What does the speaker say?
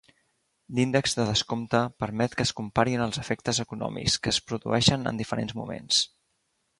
L"índex de descompte permet que es comparin els efectes econòmics que es produeixen en diferents moments.